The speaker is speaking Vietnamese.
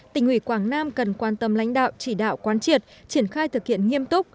tỉnh ủy quảng nam cần quan tâm lãnh đạo chỉ đạo quán triệt triển khai thực hiện nghiêm túc